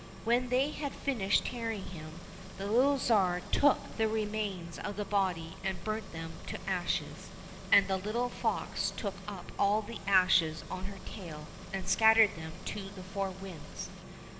When they had finished tearing him, the little Tsar took the 75 COSSACK FAIRY TALES remains of the body and burnt them to ashes, and the little fox took up all the ashes on her tail, and scattered them to the four winds.